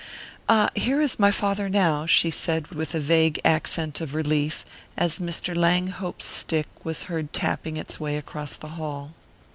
"Ah, here is my father now," she said with a vague accent of relief, as Mr. Langhope's stick was heard tapping its way across the hall.